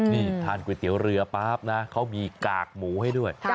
นี่ทานก๋วยเตี๋ยวเรือป๊าบนะเขามีกากหมูให้ด้วย